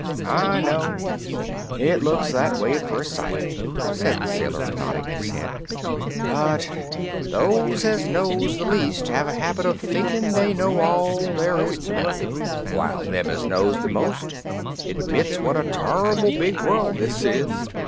"I know; it looks that way at first sight," said the sailor, nodding his head; "but those as knows the least have a habit of thinkin' they know all there is to know, while them as knows the most admits what a turr'ble big world this is.